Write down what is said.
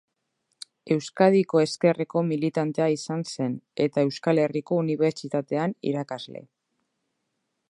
Euskadiko Ezkerreko militantea izan zen, eta Euskal Herriko Unibertsitatean irakasle.